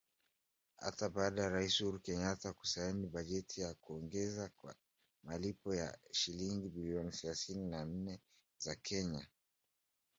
Hata baada ya Rais Uhuru Kenyatta kusaini bajeti ya nyongeza kwa malipo ya shilingi bilioni thelathini na nne za Kenya (dola milioni mia mbili tisini na nane)